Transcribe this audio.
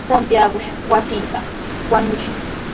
Santiagoshi wasintraw wañuskin.